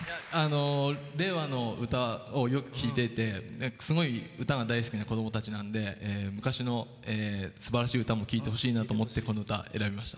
令和の歌をよく聴いててすごい歌が大好きな子供たちなんで昔のすばらしい歌も聴いてほしいなと思ってこの歌、選びました。